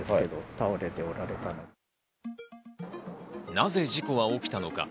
なぜ事故は起きたのか？